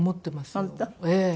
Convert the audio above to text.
ええ。